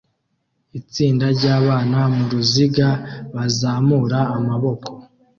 Itsinda ryabana muruziga bazamura amaboko